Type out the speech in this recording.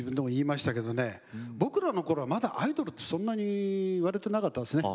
僕らのころはまだアイドルってそんなに言われてなかったんですね。